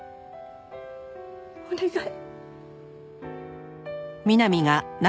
お願い。